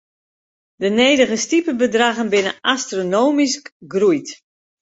De nedige stipebedraggen binne astronomysk groeid.